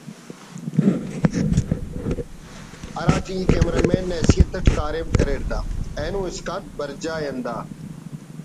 ہراٹی ای کیمرہ مین نا حیثیت اٹ کاریم کریٹ دا اینو اسکان برجا ءِ ہندا